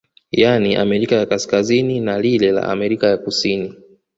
Yani Amerika ya kaskazini na lile la Amerika ya kusini